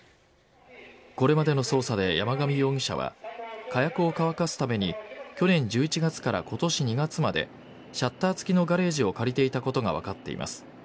これまでの捜査で山上容疑者は火薬を乾かすために去年１１月から今年２月までシャッター付きのガレージを借りていたことが分かっています。